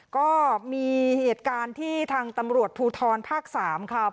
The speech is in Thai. ก็มีเหตุการณ์ที่ทางตำรวจภูทรภาค๓ค่ะ